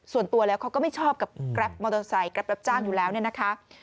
ส่วนตัวแล้วเขาก็ไม่ชอบกับแกรปมอเตอร์ไซค์แกรปรับจ้างอยู่แล้วเนี่ยนะคะ